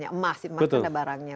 emas itu ada barangnya